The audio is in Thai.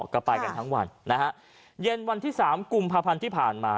ก็ไปกันทั้งวันนะฮะเย็นวันที่สามกุมภาพันธ์ที่ผ่านมา